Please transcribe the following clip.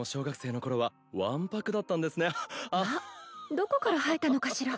どこから生えたのかしら。